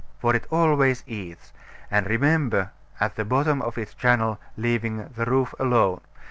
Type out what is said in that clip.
For it always eats, remember, at the bottom of its channel, leaving the roof alone.